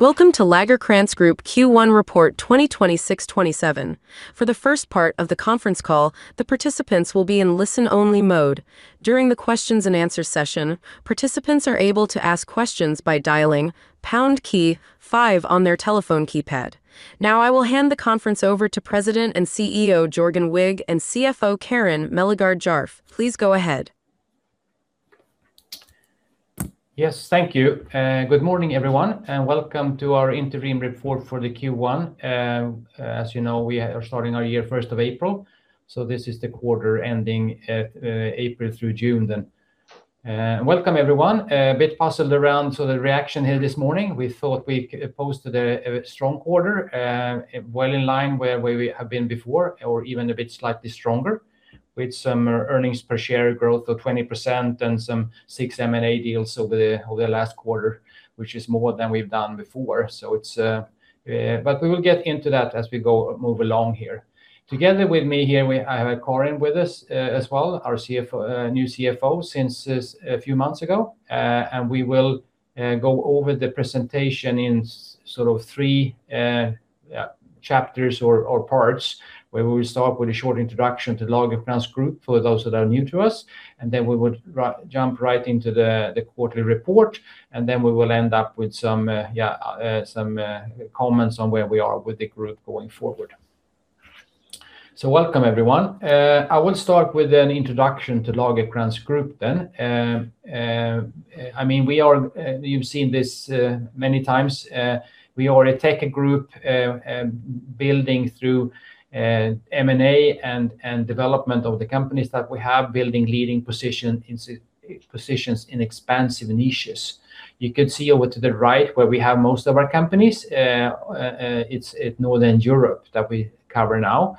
Welcome to Lagercrantz Group Q1 Report 2026/2027. For the first part of the conference call, the participants will be in listen-only mode. During the questions and answers session, participants are able to ask questions by dialing pound key five on their telephone keypad. I will hand the conference over to President and CEO Jörgen Wigh and CFO Karin Mellegård Djärf. Please go ahead. Yes, thank you. Good morning, everyone, and welcome to our interim report for the Q1. As you know, we are starting our year 1 April 2026, so this is the quarter ending at April through June then. Welcome everyone. A bit puzzled around the reaction here this morning. We thought we posted a strong quarter, well in line where we have been before or even a bit slightly stronger with some earnings per share growth of 20% and some six M&A deals over the last quarter, which is more than we've done before. We will get into that as we move along here. Together with me here, I have Karin with us as well, our new CFO since a few months ago. We will go over the presentation in three chapters or parts where we will start with a short introduction to Lagercrantz Group for those that are new to us. We would jump right into the quarterly report, and we will end up with some comments on where we are with the group going forward. Welcome, everyone. I will start with an introduction to Lagercrantz Group then. You've seen this many times. We are a tech group building through M&A and development of the companies that we have, building leading positions in expansive niches. You could see over to the right where we have most of our companies. It's Northern Europe that we cover now.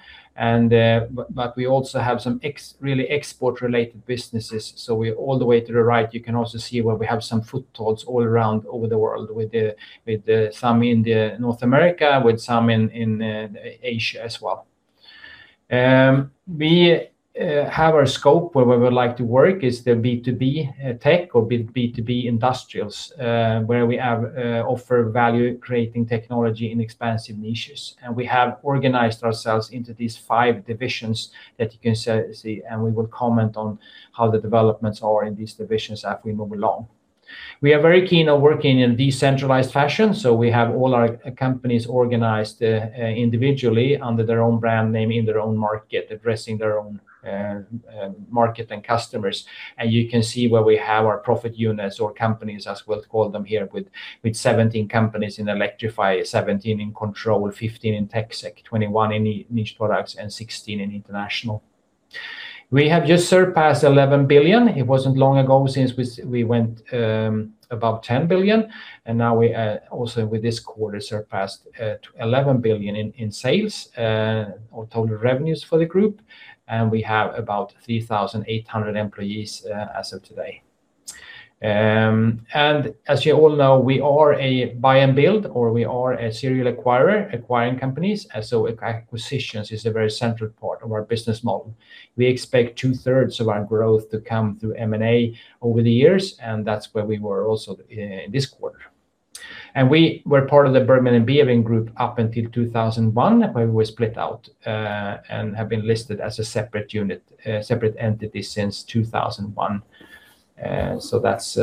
We also have some really export-related businesses. All the way to the right, you can also see where we have some footholds all around over the world with some in North America, with some in Asia as well. We have our scope where we would like to work is the B2B tech or B2B industrials where we offer value-creating technology in expansive niches. We have organized ourselves into these five divisions that you can see, and we will comment on how the developments are in these divisions as we move along. We are very keen on working in decentralized fashion, so we have all our companies organized individually under their own brand name in their own market, addressing their own market and customers. You can see where we have our profit units or companies, as we will call them here, with 17 companies in Electrify, 17 in Control, 15 in TecSec, 21 in Niche Products, and 16 in International. We have just surpassed 11 billion. It was not long ago since we went above 10 billion, now we also with this quarter surpassed 11 billion in sales or total revenues for the group. We have about 3,800 employees as of today. As you all know, we are a buy and build, or we are a serial acquirer, acquiring companies. Acquisitions is a very central part of our business model. We expect two-thirds of our growth to come through M&A over the years, that is where we were also this quarter. We were part of the Bergman & Beving Group up until 2001, when we were split out and have been listed as a separate unit, a separate entity since 2001. That is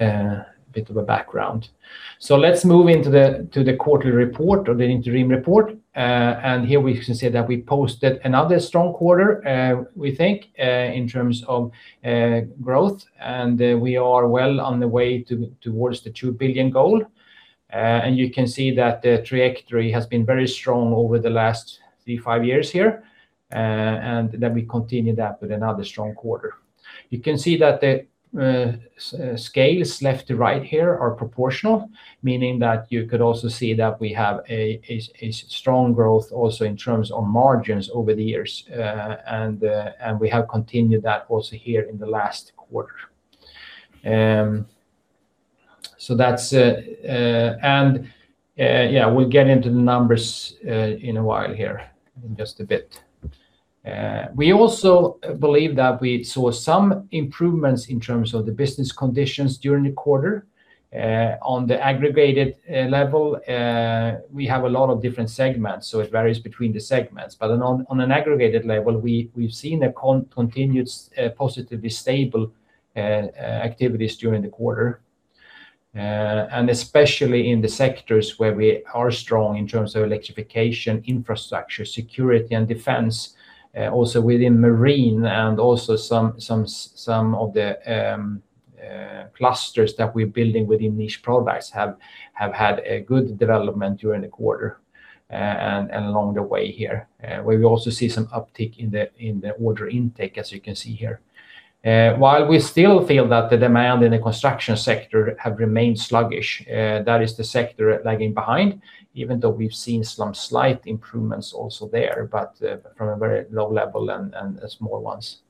a bit of a background. Let us move into the quarterly report or the interim report. Here we can see that we posted another strong quarter, we think, in terms of growth. We are well on the way towards the 2 billion goal. You can see that the trajectory has been very strong over the last three, five years here. We continue that with another strong quarter. You can see that the scales left to right here are proportional, meaning that you could also see that we have a strong growth also in terms of margins over the years. We have continued that also here in the last quarter. We will get into the numbers in a while here, in just a bit. We also believe that we saw some improvements in terms of the business conditions during the quarter. On the aggregated level, we have a lot of different segments, so it varies between the segments. On an aggregated level, we have seen a continued positively stable activities during the quarter, especially in the sectors where we are strong in terms of electrification, infrastructure, security and defense, also within marine and also some of the clusters that we are building within Niche Products have had a good development during the quarter and along the way here, where we also see some uptick in the order intake, as you can see here. While we still feel that the demand in the construction sector have remained sluggish, that is the sector lagging behind, even though we have seen some slight improvements also there, but from a very low level and small ones.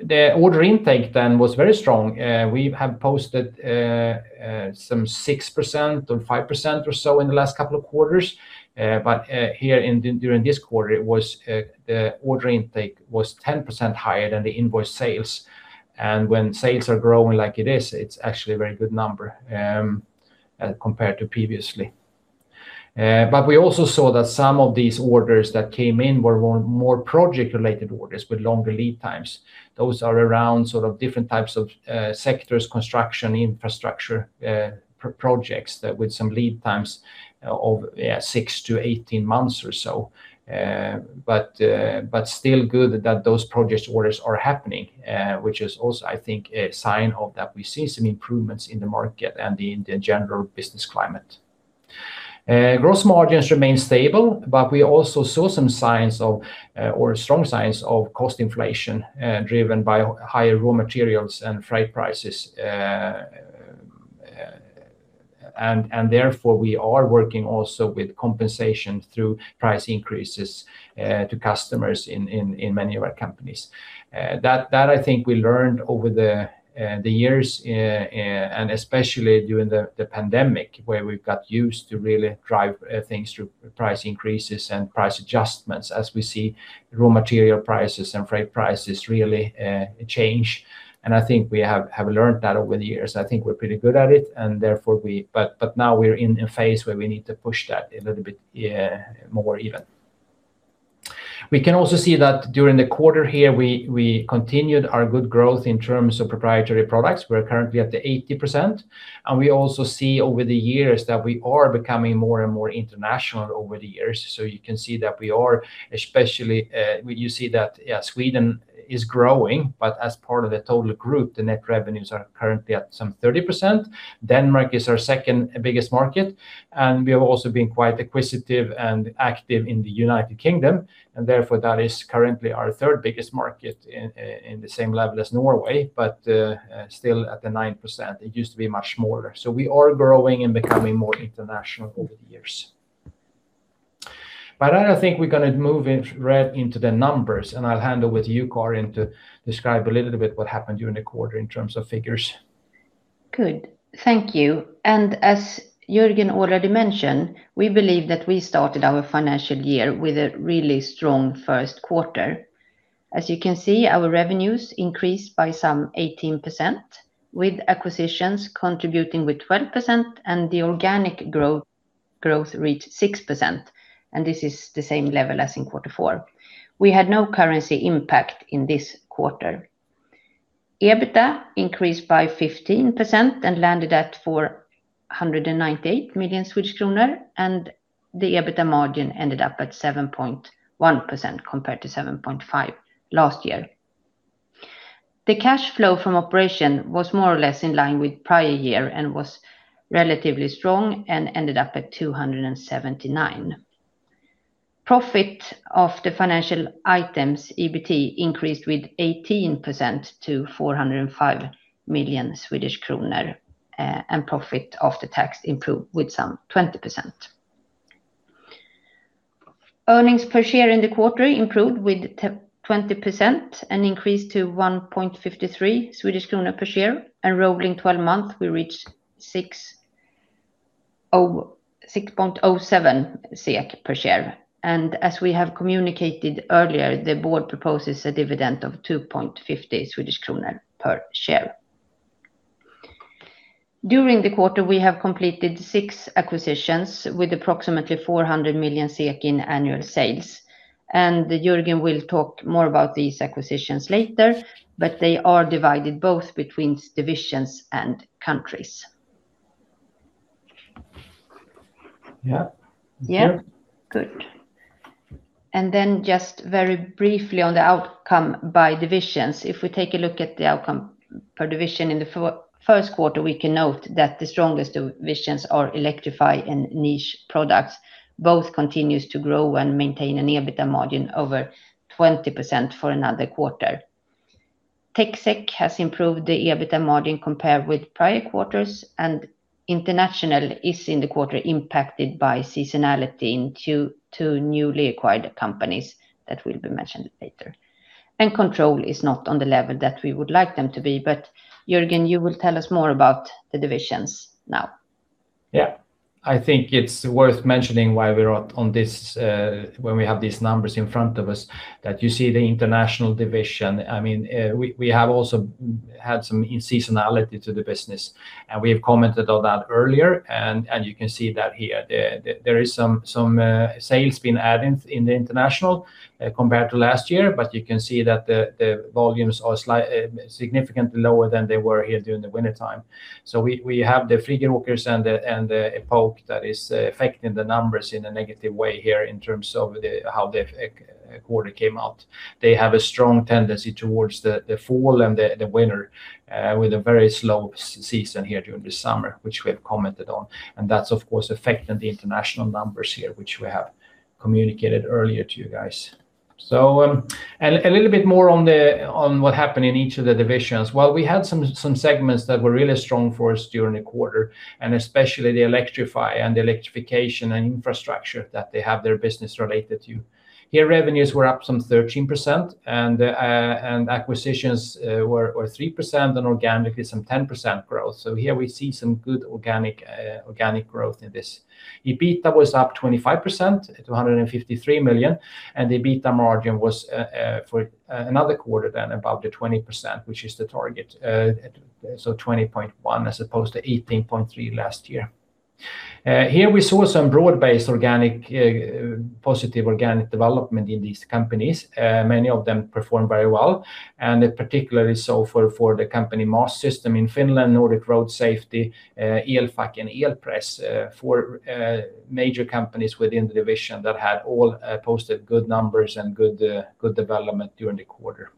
The order intake was very strong. We have posted some 6% or 5% or so in the last couple of quarters. Here during this quarter, the order intake was 10% higher than the invoice sales. When sales are growing like it is, it is actually a very good number compared to previously. We also saw that some of these orders that came in were more project-related orders with longer lead times. Those are around different types of sectors, construction, infrastructure projects with some lead times of 6-18 months or so. Still good that those project orders are happening, which is also, I think, a sign that we see some improvements in the market and in the general business climate. Gross margins remain stable, but we also saw some strong signs of cost inflation driven by higher raw materials and freight prices. Therefore, we are working also with compensation through price increases to customers in many of our companies. That, I think we learned over the years, and especially during the pandemic, where we've got used to really drive things through price increases and price adjustments as we see raw material prices and freight prices really change. I think we have learned that over the years. I think we're pretty good at it, but now we're in a phase where we need to push that a little bit more even. We can also see that during the quarter here, we continued our good growth in terms of proprietary products. We're currently at the 80%, and we also see over the years that we are becoming more and more international over the years. You can see that Sweden is growing, but as part of the total group, the net revenues are currently at some 30%. Denmark is our second biggest market, and we have also been quite acquisitive and active in the U.K., and therefore that is currently our third biggest market in the same level as Norway, but still at the 9%. It used to be much smaller. We are growing and becoming more international over the years. I think we're going to move right into the numbers, and I'll handle with you, Karin, to describe a little bit what happened during the quarter in terms of figures. Good. Thank you. As Jörgen already mentioned, we believe that we started our financial year with a really strong first quarter. As you can see, our revenues increased by some 18%, with acquisitions contributing with 12% and the organic growth reached 6%. This is the same level as in quarter four. We had no currency impact in this quarter. EBITA increased by 15% and landed at 498 million Swedish kronor, and the EBITA margin ended up at 7.1% compared to 7.5% last year. The cash flow from operation was more or less in line with prior year and was relatively strong and ended up at 279. Profit after financial items, EBT, increased with 18% to 405 million Swedish kronor, and profit after tax improved with some 20%. Earnings per share in the quarter improved with 20% and increased to 1.53 Swedish krona per share. Rolling 12 months, we reached 6.07 per share. As we have communicated earlier, the board proposes a dividend of 2.50 Swedish kronor per share. During the quarter, we have completed six acquisitions with approximately 400 million SEK in annual sales. Jörgen will talk more about these acquisitions later, but they are divided both between divisions and countries. Yeah. Good. Then just very briefly on the outcome by divisions. If we take a look at the outcome per division in the first quarter, we can note that the strongest divisions are Electrify and Niche Products. Both continues to grow and maintain an EBITA margin over 20% for another quarter. TecSec has improved the EBITA margin compared with prior quarters, International is in the quarter impacted by seasonality into two newly acquired companies that will be mentioned later. Control is not on the level that we would like them to be, but Jörgen, you will tell us more about the divisions now. I think it's worth mentioning when we have these numbers in front of us that you see the International division. We have also had some seasonality to the business, we have commented on that earlier, you can see that here. There is some sales been added in the International compared to last year, you can see that the volumes are significantly lower than they were here during the wintertime. We have the Friggeråkers and Epoke that is affecting the numbers in a negative way here in terms of how the quarter came out. They have a strong tendency towards the fall and the winter with a very slow season here during the summer, which we have commented on. That's, of course, affecting the International numbers here, which we have communicated earlier to you guys. A little bit more on what happened in each of the divisions. While we had some segments that were really strong for us during the quarter, especially the Electrify and the electrification and infrastructure that they have their business related to. Here, revenues were up some 13%, acquisitions were 3%, organic is some 10% growth. Here we see some good organic growth in this. EBITDA was up 25% at 253 million, the EBITDA margin was, for another quarter then, about the 20%, which is the target. 20.1% as opposed to 18.3% last year. Here we saw some broad-based positive organic development in these companies. Many of them performed very well, particularly so for the company Mastsystem in Finland, Nordic Road Safety, Elfac, and Elpress, four major companies within the division that had all posted good numbers and good development during the quarter.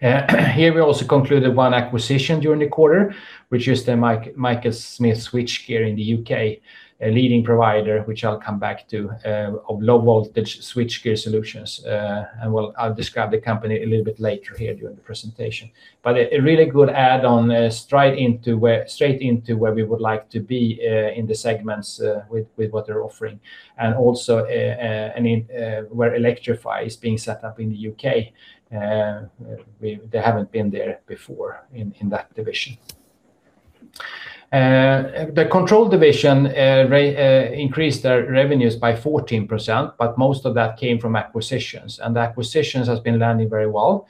Here we also concluded one acquisition during the quarter, which is the Michael Smith Switchgear in the U.K., a leading provider, which I'll come back to, of low-voltage switchgear solutions. I'll describe the company a little bit later here during the presentation. A really good add-on straight into where we would like to be in the segments with what they're offering, and also where Electrify is being set up in the U.K. They haven't been there before in that division. The Control division increased their revenues by 14%, but most of that came from acquisitions, and the acquisitions have been landing very well.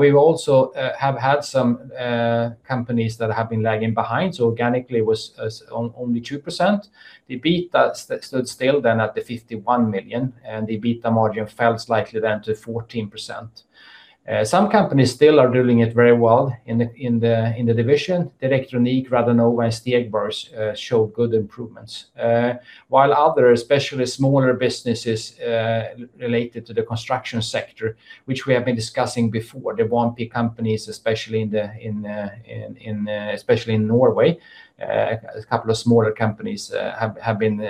We also have had some companies that have been lagging behind, so organically was only 2%. The EBITA stood still then at 51 million, and the EBITA margin fell slightly then to 14%. Some companies still are doing it very well in the division. Direct Unique, Radonova, and SD Egbers showed good improvements. While other, especially smaller businesses related to the construction sector, which we have been discussing before, the 1P companies, especially in Norway, a couple of smaller companies have been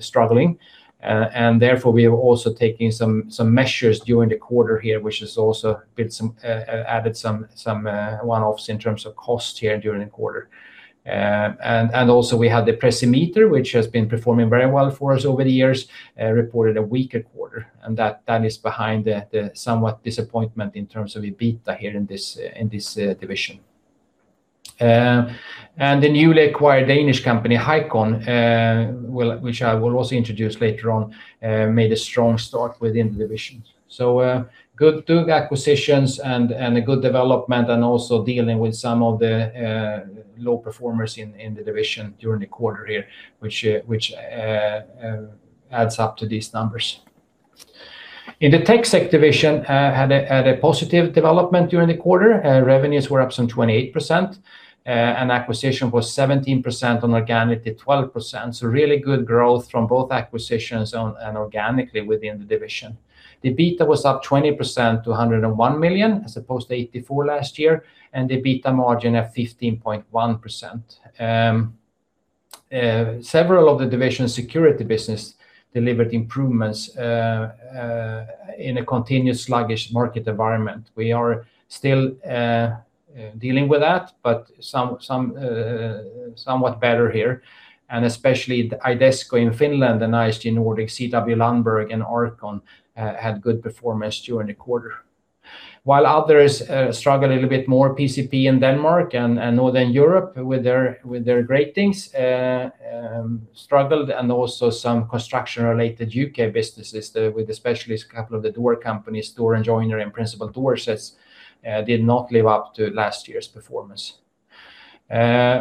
struggling. Therefore, we are also taking some measures during the quarter here, which has also added some one-offs in terms of cost here during the quarter. Also we had the Precimeter, which has been performing very well for us over the years, reported a weaker quarter, and that is behind the somewhat disappointment in terms of EBITA here in this division. The newly acquired Danish company, Hycon, which I will also introduce later on, made a strong start within the division. Good two acquisitions and a good development and also dealing with some of the low performers in the division during the quarter here, which adds up to these numbers. In the TecSec division had a positive development during the quarter. Revenues were up some 28%, acquisition was 17% on organic to 12%. Really good growth from both acquisitions and organically within the division. The EBITA was up 20% to 101 million, as opposed to 84 last year, and the EBITA margin at 15.1%. Several of the division security business delivered improvements in a continuous sluggish market environment. We are still dealing with that, but somewhat better here, especially Idesco in Finland and ISG Nordic, CW Lundberg, and Arcon had good performance during the quarter. Others struggle a little bit more, PCP in Denmark and Northern Europe with their gratings struggled and also some construction-related U.K. businesses with especially a couple of the door companies, door and joiner and principal door sales did not live up to last year's performance.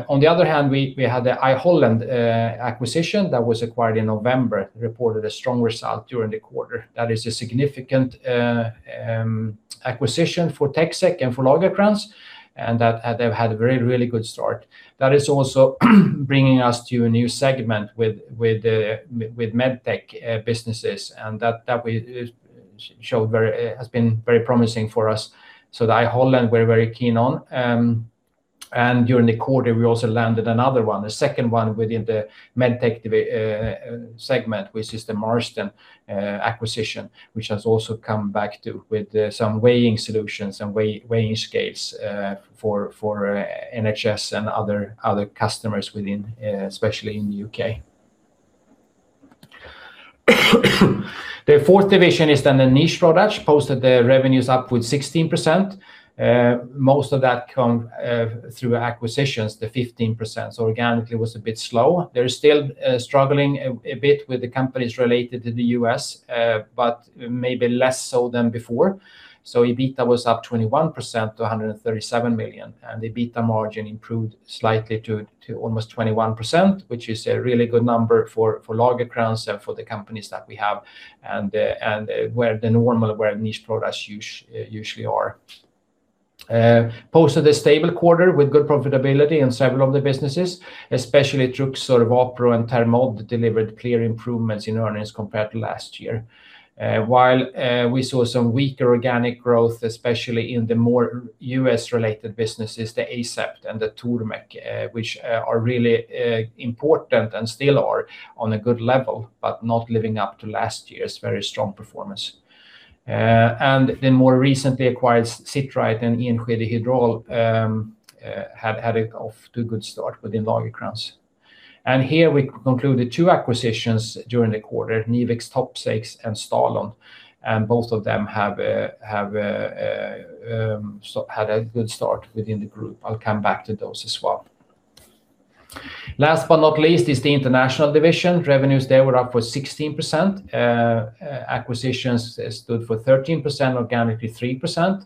On the other hand, we had the I Holland acquisition that was acquired in November, reported a strong result during the quarter. That is a significant acquisition for TecSec and for Lagercrantz, and they've had a really good start. That is also bringing us to a new segment with MedTech businesses, and that has been very promising for us. I Holland we're very keen on. During the quarter, we also landed another one, a second one within the MedTech segment, which is the Marsden acquisition, which has also come back too with some weighing solutions and weighing scales for NHS and other customers especially in the U.K. The fourth division is then the Niche Products posted their revenues up with 16%. Most of that come through acquisitions, the 15%. Organically was a bit slow. They're still struggling a bit with the companies related to the U.S. but maybe less so than before. EBITDA was up 21% to 137 million, and the EBITDA margin improved slightly to almost 21%, which is a really good number for Lagercrantz and for the companies that we have and where the normal Niche Products usually are. Posted a stable quarter with good profitability in several of the businesses, especially Truxor, Wapro, and Thermod delivered clear improvements in earnings compared to last year. While we saw some weaker organic growth, especially in the more U.S. related businesses, the ASEPT and the Tormek, which are really important and still are on a good level, but not living up to last year's very strong performance. The more recently acquired Sit Right and Enskede Hydraul had a good start within Lagercrantz. Here we concluded two acquisitions during the quarter, Nivex Topsafe and Stalon, and both of them had a good start within the group. I'll come back to those as well. Last but not least is the International division. Revenues there were up with 16%. Acquisitions stood for 13%, organically 3%,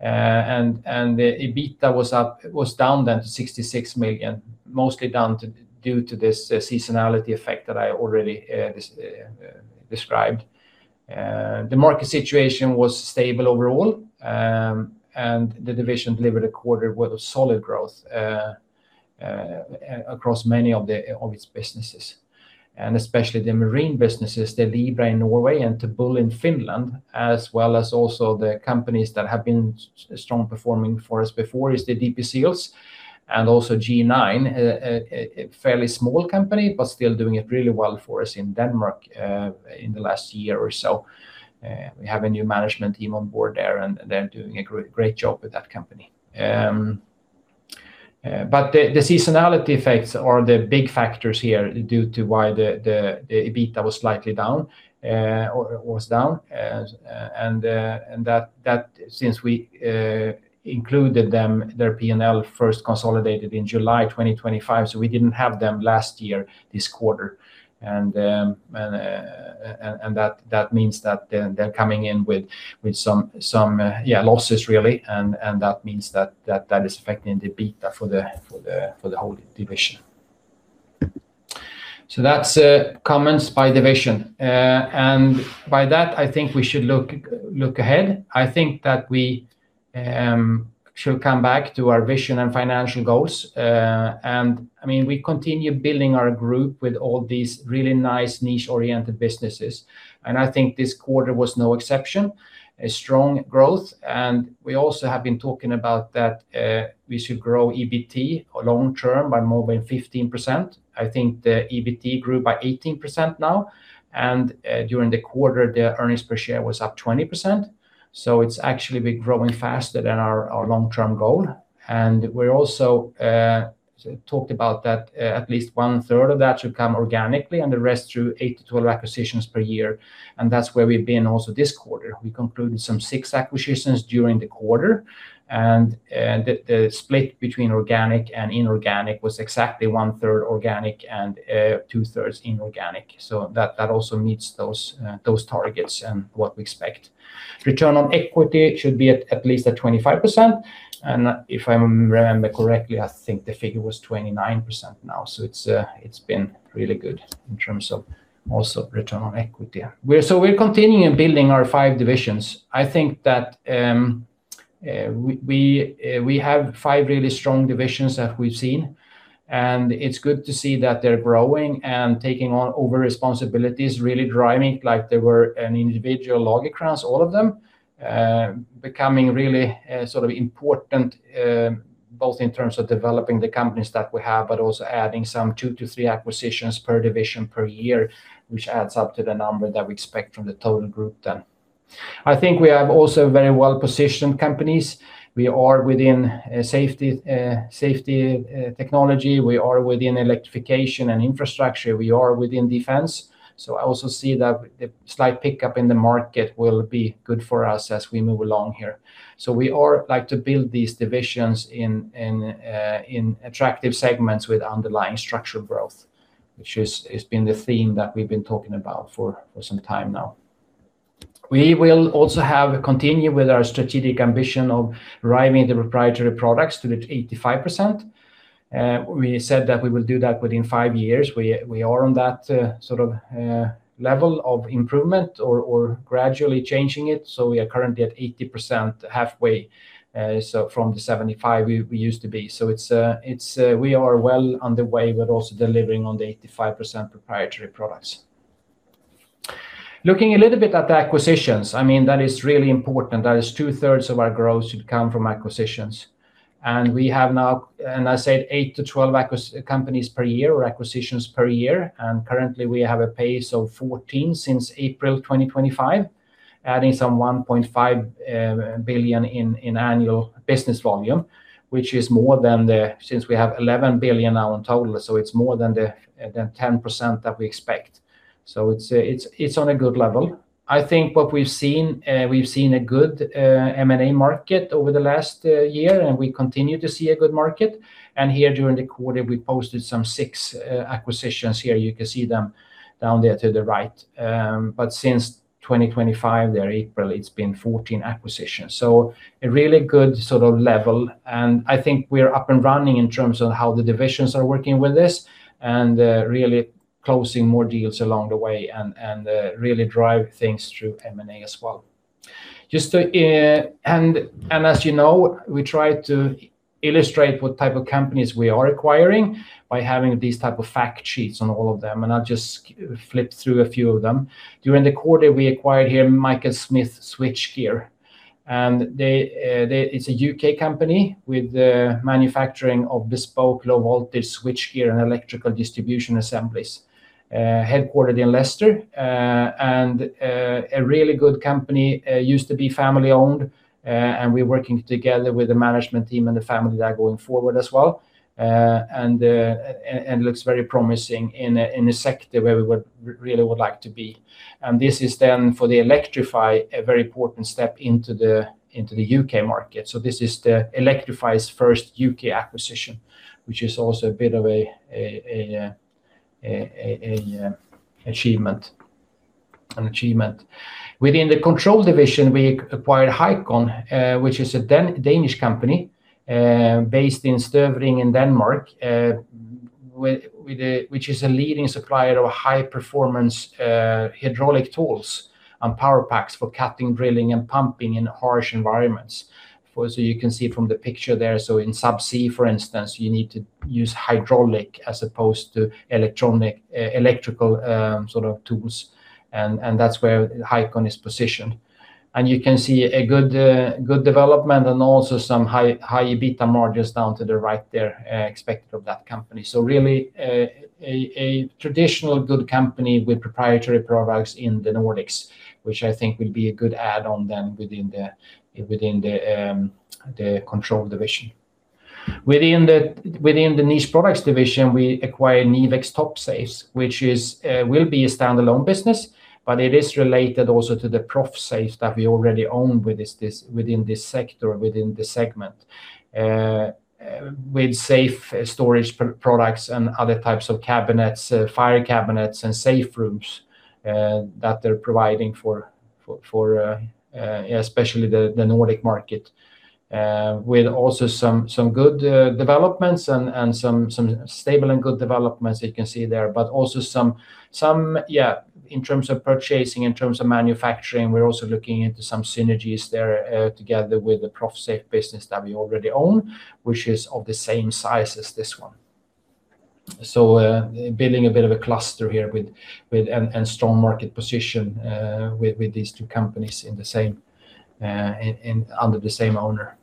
the EBITDA was down then to 66 million Mostly down due to this seasonality effect that I already described. The market situation was stable overall, and the division delivered a quarter with a solid growth across many of its businesses, and especially the marine businesses, the Libra in Norway and Tebul in Finland, as well as also the companies that have been strong performing for us before is the DP Seals and also G9, a fairly small company, but still doing it really well for us in Denmark in the last year or so. We have a new management team on board there, and they're doing a great job with that company. The seasonality effects are the big factors here due to why the EBITDA was down. That since we included them, their P&L first consolidated in July 2025, so we didn't have them last year this quarter. That means that they're coming in with some losses really, and that means that is affecting the EBITDA for the whole division. That's comments by division. By that, I think we should look ahead. I think that we should come back to our vision and financial goals. We continue building our group with all these really nice niche-oriented businesses. I think this quarter was no exception, a strong growth. We also have been talking about that we should grow EBT long term by more than 15%. I think the EBT grew by 18% now. During the quarter, the earnings per share was up 20%. It's actually been growing faster than our long-term goal. We also talked about that at least one-third of that should come organically and the rest through eight to 12 acquisitions per year. That's where we've been also this quarter. We concluded some six acquisitions during the quarter, and the split between organic and inorganic was exactly one-third organic and two-thirds inorganic. That also meets those targets and what we expect. Return on equity should be at least at 25%. If I remember correctly, I think the figure was 29% now. It's been really good in terms of also return on equity. We're continuing building our five divisions. I think that we have five really strong divisions that we've seen, it's good to see that they're growing and taking on over responsibilities, really driving like they were an individual Lagercrantz, all of them, becoming really sort of important both in terms of developing the companies that we have, but also adding some two to three acquisitions per division per year, which adds up to the number that we expect from the total group then. I think we have also very well-positioned companies. We are within safety technology, we are within electrification and infrastructure, we are within defense. I also see that the slight pickup in the market will be good for us as we move along here. We are like to build these divisions in attractive segments with underlying structural growth, which has been the theme that we've been talking about for some time now. We will also continue with our strategic ambition of driving the proprietary products to the 85%. We said that we will do that within five years. We are on that sort of level of improvement or gradually changing it. We are currently at 80% halfway, from the 75 we used to be. We are well on the way with also delivering on the 85% proprietary products. Looking a little bit at the acquisitions, that is really important. That is two-thirds of our growth should come from acquisitions. We have now, I said eight to 12 companies per year or acquisitions per year. Currently, we have a pace of 14 since April 2025, adding some 1.5 billion in annual business volume, which is more than the-- since we have 11 billion now in total, it's more than 10% that we expect. It's on a good level. I think what we've seen, we've seen a good M&A market over the last year, we continue to see a good market. Here during the quarter, we posted some six acquisitions here. You can see them down there to the right. Since 2025 there, April, it's been 14 acquisitions. A really good sort of level. I think we're up and running in terms of how the divisions are working with this and really closing more deals along the way and really drive things through M&A as well. As you know, we try to illustrate what type of companies we are acquiring by having these type of fact sheets on all of them, I'll just flip through a few of them. During the quarter, we acquired Michael Smith Switchgear. It is a U.K. company with the manufacturing of bespoke low-voltage switchgear and electrical distribution assemblies, headquartered in Leicester. A really good company, used to be family-owned, and we are working together with the management team and the family there going forward as well. Looks very promising in a sector where we really would like to be. This is then for the Electrify, a very important step into the U.K. market. This is the Electrify's first U.K. acquisition, which is also an achievement. Within the Control division, we acquired Hycon, which is a Danish company based in Støvring in Denmark, which is a leading supplier of high-performance hydraulic tools and power packs for cutting, drilling, and pumping in harsh environments. You can see from the picture there, in subsea, for instance, you need to use hydraulic as opposed to electrical sort of tools, and that is where Hycon is positioned. You can see a good development and also some high EBITA margins down to the right there expected of that company. Really a traditional good company with proprietary products in the Nordics, which I think will be a good add-on then within the Control division. Within the Niche Products division, we acquired Nivex Topsafe, which will be a standalone business, but it is related also to the Profsafe that we already own within this sector, within this segment. With safe storage products and other types of cabinets, fire cabinets, and safe rooms that they are providing for especially the Nordic market. With also some good developments and some stable and good developments that you can see there. In terms of purchasing, in terms of manufacturing, we are also looking into some synergies there together with the Profsafe business that we already own, which is of the same size as this one. Building a bit of a cluster here and strong market position with these two companies under the same owner.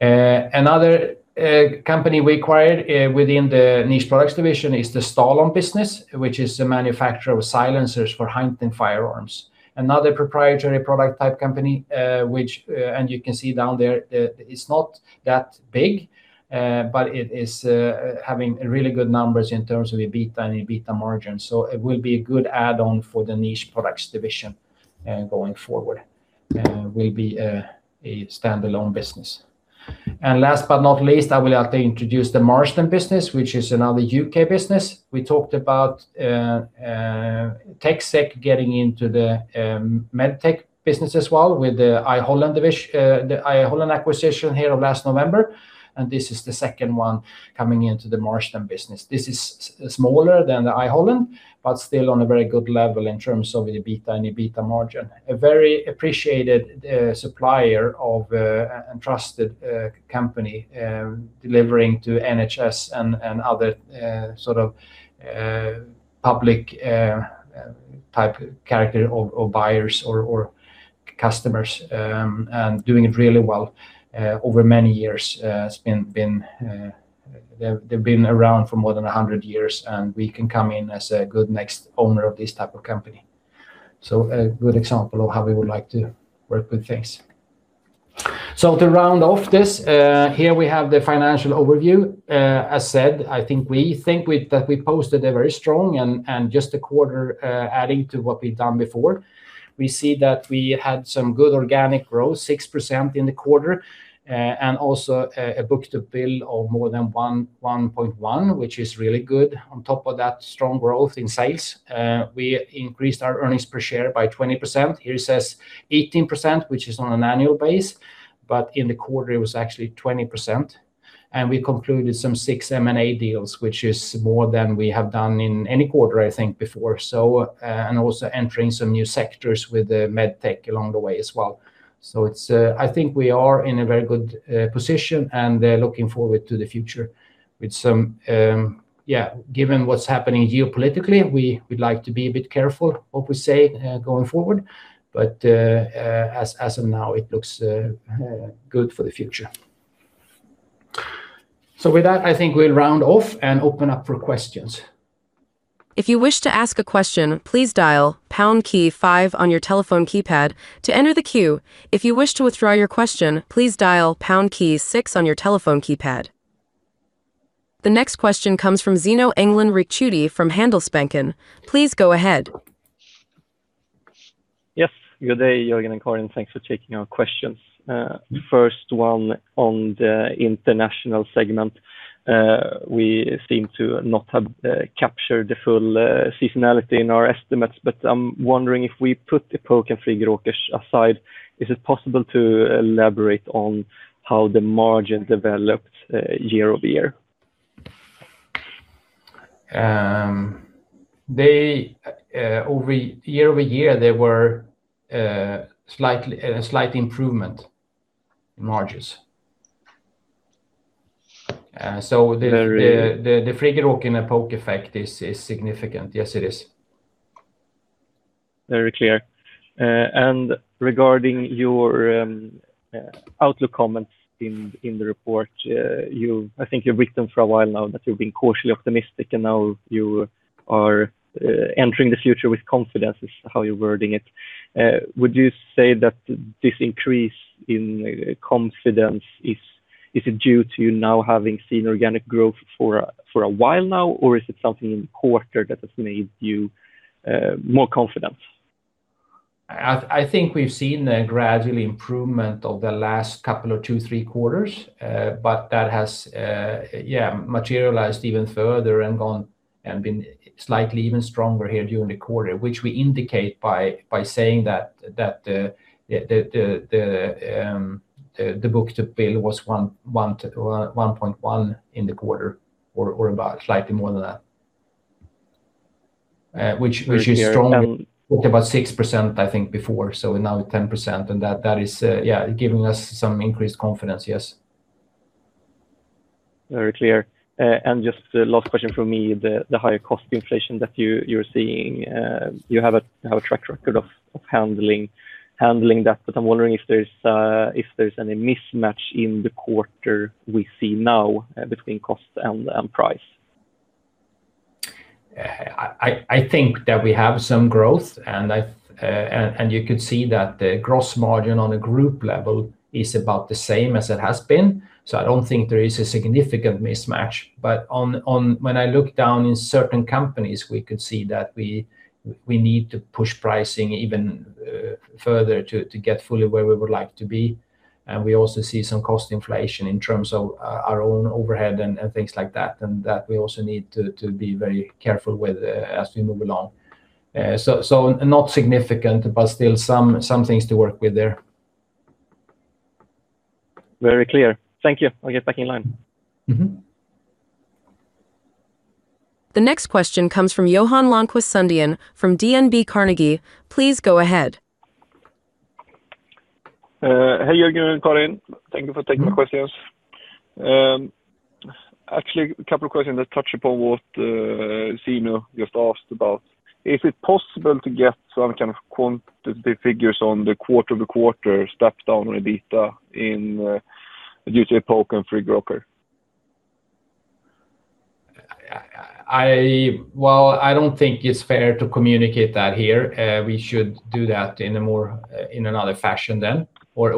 Another company we acquired within the Niche Products division is the Stalon business, which is a manufacturer of silencers for hunting firearms. Another proprietary product type company, and you can see down there that it is not that big, but it is having really good numbers in terms of EBITA and EBITA margin. It will be a good add-on for the Niche Products division going forward, will be a standalone business. Last but not least, I will introduce the Marsden business, which is another U.K. business. We talked about TecSec getting into the MedTech business as well with the I Holland acquisition here of last November. This is the second one coming into the Marsden business. This is smaller than the I Holland, but still on a very good level in terms of EBITA and EBITA margin. A very appreciated supplier of a trusted company, delivering to NHS and other sort of public type character of buyers or customers, and doing it really well over many years. They have been around for more than 100 years, and we can come in as a good next owner of this type of company. A good example of how we would like to work with things. To round off this, here we have the financial overview. As said, I think we think that we posted a very strong and just a quarter adding to what we have done before. We see that we had some good organic growth, 6% in the quarter, and also a book-to-bill of more than 1.1, which is really good. On top of that strong growth in sales, we increased our earnings per share by 20%. Here it says 18%, which is on an annual base, but in the quarter it was actually 20%. We concluded some six M&A deals, which is more than we have done in any quarter, I think, before. Also entering some new sectors with the MedTech along the way as well. I think we are in a very good position and looking forward to the future. Given what's happening geopolitically, we would like to be a bit careful what we say going forward. As of now, it looks good for the future. With that, I think we'll round off and open up for questions. If you wish to ask a question, please dial pound key five on your telephone keypad to enter the queue. If you wish to withdraw your question, please dial pound key six on your telephone keypad. The next question comes from Zino Engdalen Ricciuti from Handelsbanken. Please go ahead. Yes. Good day, Jörgen and Karin. Thanks for taking our questions. First one on the International segment. We seem to not have captured the full seasonality in our estimates, but I'm wondering if we put the Epoke and Friggeråkers aside, is it possible to elaborate on how the margin developed year-over-year? Year-over-year, there was a slight improvement in margins. The Friggeråkers and Epoke effect is significant. Yes, it is. Very clear. Regarding your outlook comments in the report, I think you've written for a while now that you're being cautiously optimistic and now you are entering the future with confidence is how you're wording it. Would you say that this increase in confidence, is it due to now having seen organic growth for a while now, or is it something in the quarter that has made you more confident? I think we've seen a gradual improvement over the last couple of two, three quarters, but that has materialized even further and been slightly even stronger here during the quarter, which we indicate by saying that the book-to-bill was 1.1 in the quarter or about slightly more than that. Which is strong. Talked about 6%, I think, before, so now 10%, and that is giving us some increased confidence. Yes. Very clear. Just the last question from me, the higher cost inflation that you're seeing, you have a track record of handling that. I'm wondering if there's any mismatch in the quarter we see now between cost and price. I think that we have some growth, and you could see that the gross margin on a group level is about the same as it has been. I don't think there is a significant mismatch. When I look down in certain companies, we could see that we need to push pricing even further to get fully where we would like to be. We also see some cost inflation in terms of our own overhead and things like that, and that we also need to be very careful with as we move along. Not significant, but still some things to work with there. Very clear. Thank you. I'll get back in line. The next question comes from Johan Lönnqvist Sundén from DNB Carnegie. Please go ahead. Hey, Jörgen and Karin. Thank you for taking my questions. Actually, a couple of questions that touch upon what Zino just asked about. Is it possible to get some kind of quantitative figures on the quarter-over-quarter step down in EBITA due to Epoke and Friggeråkers? I don't think it's fair to communicate that here. We should do that in another fashion then, or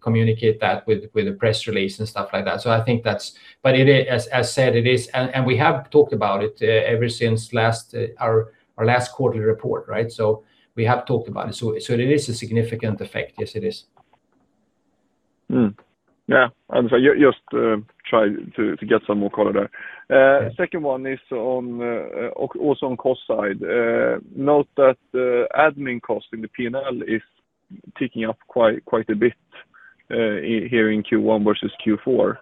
communicate that with a press release and stuff like that. As said, and we have talked about it ever since our last quarterly report, right? We have talked about it. It is a significant effect. Yes, it is. Just try to get some more color there. Second one is also on cost side. Note that the admin cost in the P&L is ticking up quite a bit here in Q1 versus Q4.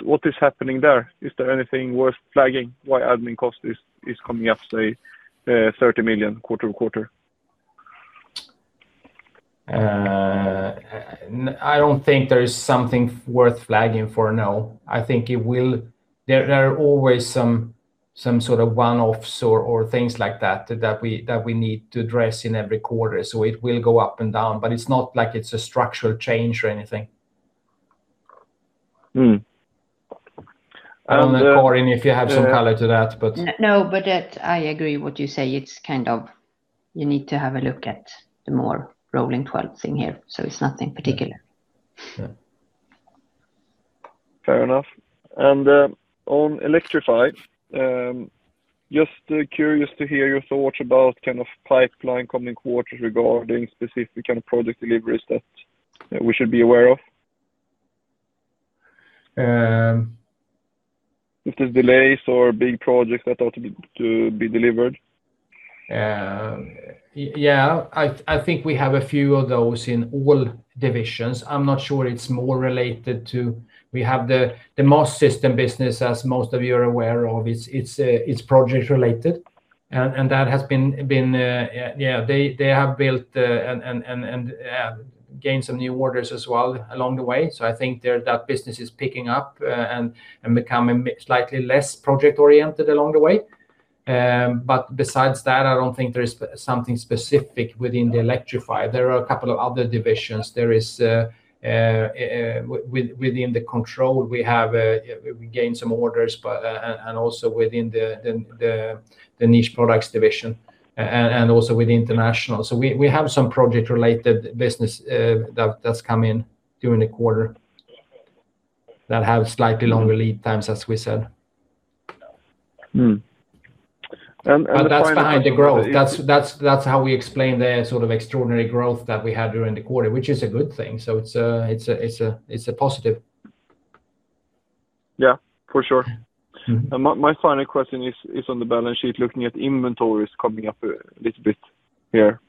What is happening there? Is there anything worth flagging why admin cost is coming up, say, 30 million quarter-over-quarter? I don't think there is something worth flagging for now. There are always some sort of one-offs or things like that we need to address in every quarter. It will go up and down, but it's not like it's a structural change or anything. I don't know, Karin, if you have some color to that. I agree what you say. You need to have a look at the more rolling 12 thing here, it's nothing particular. Fair enough. On Electrify, just curious to hear your thoughts about pipeline coming quarters regarding specific kind of project deliveries that we should be aware of. If there's delays or big projects that ought to be delivered. I think we have a few of those in all divisions. I'm not sure it's more related to, we have the Mastsystem business, as most of you are aware of. It's project related, and they have built and gained some new orders as well along the way. I think that business is picking up and becoming slightly less project-oriented along the way. Besides that, I don't think there is something specific within the Electrify. There are a couple of other divisions. Within the Control, we gained some orders, and also within the Niche Products division, and also with International. We have some project-related business that's come in during the quarter that have slightly longer lead times, as we said. The final. That's behind the growth. That's how we explain the sort of extraordinary growth that we had during the quarter, which is a good thing. It's a positive. Yeah, for sure. My final question is on the balance sheet, looking at inventories coming up a little bit here.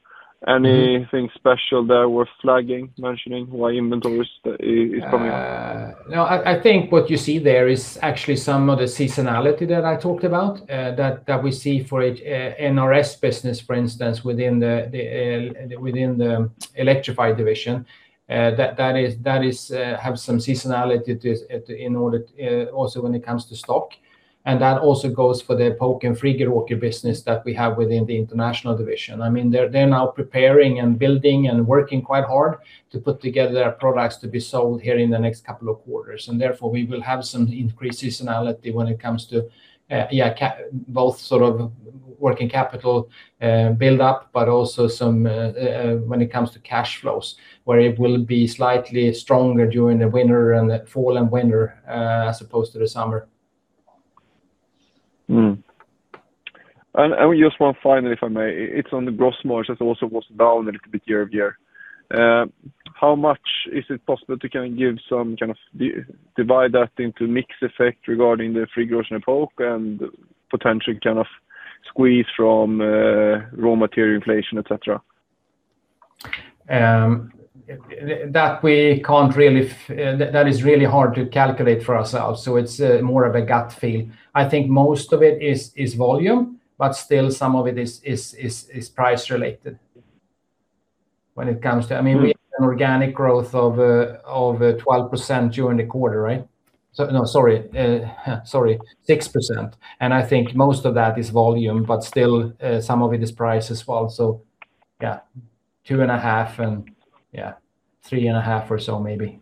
Anything special there worth flagging, mentioning why inventories is coming up? No, I think what you see there is actually some of the seasonality that I talked about that we see for NRS business, for instance, within the Electrify division. That have some seasonality also when it comes to stock, and that also goes for the Epoke and Friggeråkers business that we have within the International division. They're now preparing and building and working quite hard to put together products to be sold here in the next couple of quarters. Therefore, we will have some increased seasonality when it comes to both sort of working capital buildup, but also when it comes to cash flows, where it will be slightly stronger during the fall and winter as opposed to the summer. Just one final, if I may. It is on the gross margins that also was down a little bit year-over-year. How much is it possible to give some kind of divide that into mix effect regarding the Friggeråkers and Epoke, and potential kind of squeeze from raw material inflation, etcetera? That is really hard to calculate for ourselves, so it's more of a gut feel. I think most of it is volume, but still some of it is price related. We had an organic growth of 12% during the quarter, right? No, sorry, 6%. I think most of that is volume, but still some of it is price as well. Two and a half and three and a half or so maybe.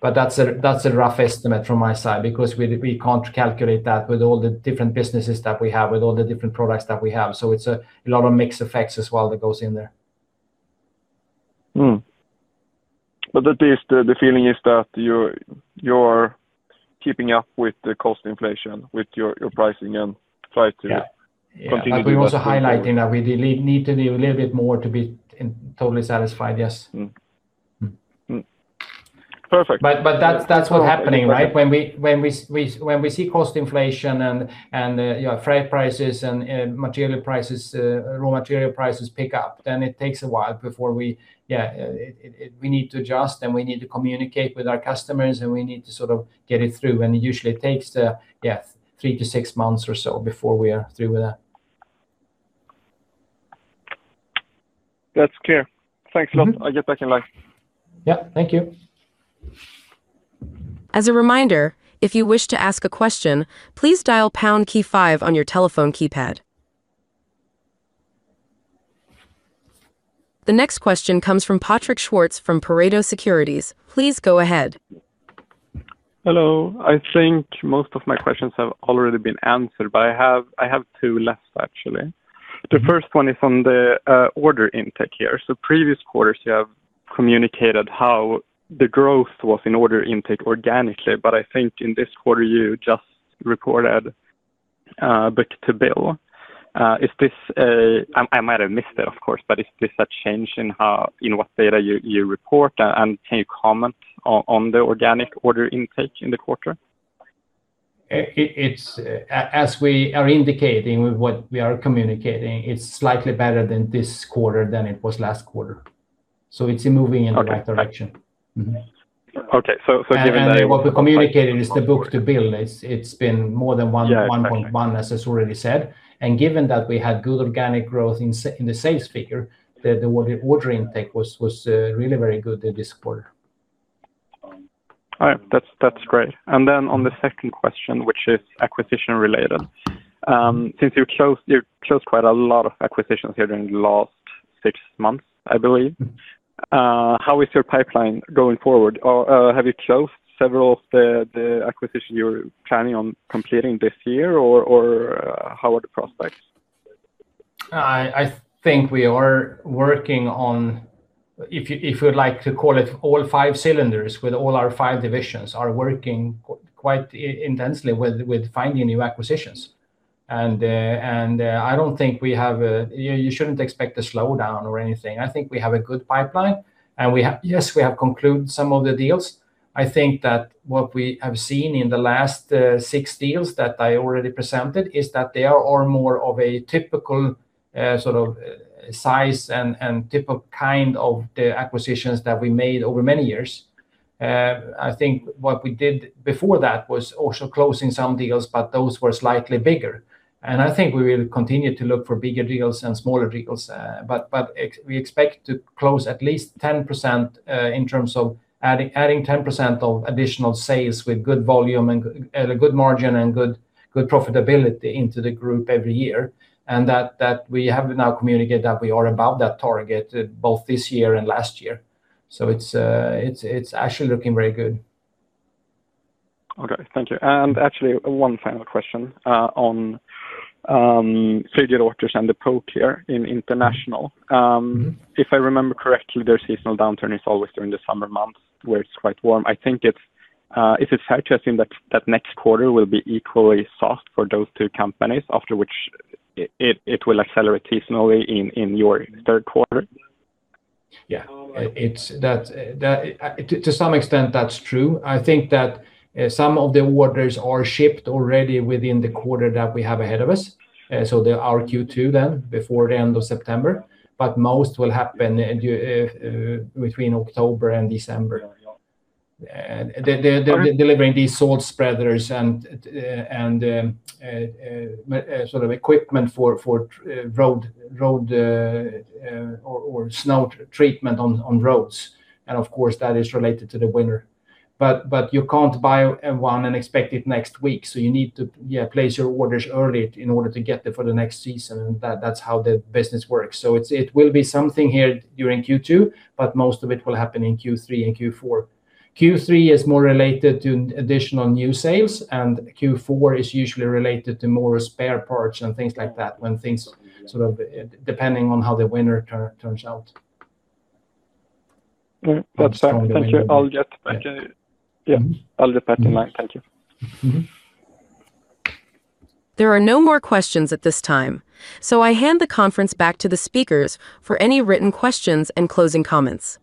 That's a rough estimate from my side because we can't calculate that with all the different businesses that we have, with all the different products that we have. It's a lot of mix effects as well that goes in there. The feeling is that you're keeping up with the cost inflation, with your pricing and try to continue? Yeah. We also highlighting that we need to do a little bit more to be totally satisfied. Yes. Perfect. That's what happening. When we see cost inflation and freight prices and raw material prices pick up, then it takes a while before we need to adjust and we need to communicate with our customers, and we need to sort of get it through. It usually takes three to six months or so before we are through with that. That's clear. Thanks a lot. I'll get back in line. Yeah. Thank you. As a reminder, if you wish to ask a question, please dial pound key five on your telephone keypad. The next question comes from Patrik Schwartz from Pareto Securities. Please go ahead. Hello. I think most of my questions have already been answered, but I have two left, actually. The first one is on the order intake here. Previous quarters you have communicated how the growth was in order intake organically, but I think in this quarter you just reported book-to-bill. I might have missed it, of course, but is this a change in what data you report, and can you comment on the organic order intake in the quarter? As we are indicating with what we are communicating, it's slightly better than this quarter than it was last quarter. It's moving in the right direction. Okay. given the. What we communicated is the book-to-bill. It's been more than 1.1. Yeah. As already said, given that we had good organic growth in the sales figure, the order intake was really very good this quarter. All right. That's great. Then on the second question, which is acquisition related. Since you closed quite a lot of acquisitions here during the last six months, I believe. How is your pipeline going forward? Have you closed several of the acquisition you're planning on completing this year? How are the prospects? I think we are working on, if you'd like to call it all five cylinders with all our five divisions, are working quite intensely with finding new acquisitions. You shouldn't expect a slowdown or anything. I think we have a good pipeline and yes, we have concluded some of the deals. I think that what we have seen in the last six deals that I already presented is that they are all more of a typical sort of size and typical kind of the acquisitions that we made over many years. I think what we did before that was also closing some deals, those were slightly bigger. I think we will continue to look for bigger deals and smaller deals, we expect to close at least 10% in terms of adding 10% of additional sales with good volume and a good margin and good profitability into the group every year. That we have now communicated that we are above that target both this year and last year. It's actually looking very good. Okay, thank you. Actually, one final question, on Friggeråkers and Epoke here in International. If I remember correctly, their seasonal downturn is always during the summer months where it's quite warm. Is it fair to assume that next quarter will be equally soft for those two companies, after which it will accelerate seasonally in your third quarter? Yeah. To some extent that's true. Some of the orders are shipped already within the quarter that we have ahead of us. They are Q2 before the end of September, but most will happen between October and December. They're delivering these salt spreaders and sort of equipment for road or snow treatment on roads. Of course, that is related to the winter. You can't buy one and expect it next week, you need to place your orders early in order to get it for the next season. That's how the business works. It will be something here during Q2, but most of it will happen in Q3 and Q4. Q3 is more related to additional new sales, Q4 is usually related to more spare parts and things like that when things sort of, depending on how the winter turns out. That's fine. Thank you. I'll get back in line. Thank you. There are no more questions at this time, I hand the conference back to the speakers for any written questions and closing comments.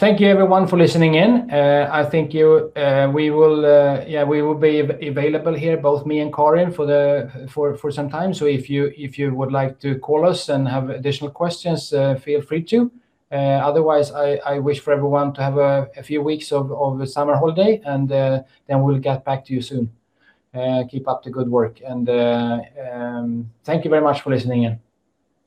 Thank you everyone for listening in. I thank you. We will be available here, both me and Karin for some time. If you would like to call us and have additional questions, feel free to. Otherwise, I wish for everyone to have a few weeks of summer holiday and then we'll get back to you soon. Keep up the good work and thank you very much for listening in.